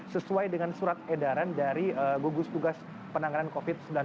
sesuai dengan surat edaran dari gugus tugas penanganan covid sembilan belas